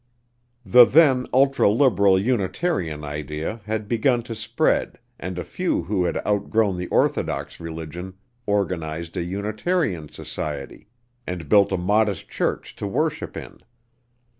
The then ultra liberal Unitarian idea had begun to spread and a few who had outgrown the orthodox religion organized a Unitarian Society, and built a modest church to worship in.